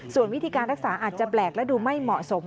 ส่วนวิธีการรักษาอาจจะแปลกและดูไม่เหมาะสม